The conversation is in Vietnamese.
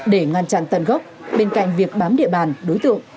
để ngăn chặn tận gốc bên cạnh việc bám địa bàn đối tượng